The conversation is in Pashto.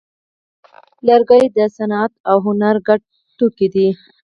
لرګی د صنعت او هنر ګډ توکی دی.